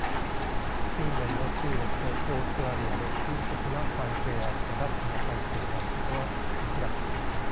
近年の中国とオーストラリアの急速な関係悪化がその背景にあることは明らかです。